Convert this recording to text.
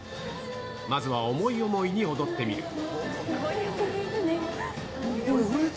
まずは思い思いに踊ってみる。